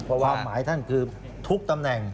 ความหมายท่านคือทุกตำแหน่ง